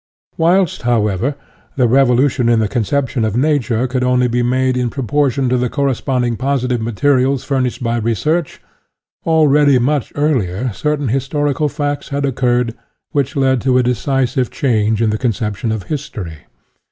Whilst, however, the revolution in the conception of Nature could only be made in proportion to the corresponding positive materials furnished by research, already much earlier certain historical facts had oc curred which led to a decisive change in the conception of history.